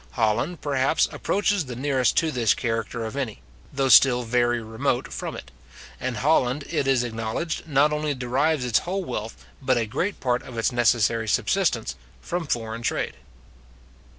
Holland, perhaps, approaches the nearest to this character of any, though still very remote from it; and Holland, it is acknowledged, not only derives its whole wealth, but a great part of its necessary subsistence, from foreign trade.